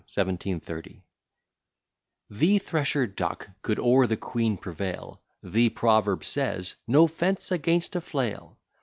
1730 The thresher Duck could o'er the queen prevail, The proverb says, "no fence against a flail."